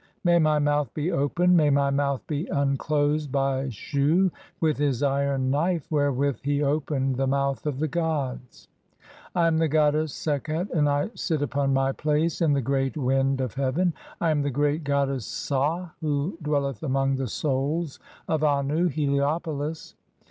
May my mouth be opened, may my mouth be un closed by Shu (4) with his iron knife wherewith he opened the "mouth of the gods. I am the goddess Sekhet, and I sit upon "[my] place in the great (5) wind (?) of heaven. I am the great "goddess Sah who dwelleth among the Souls of Annu (Helio "polis).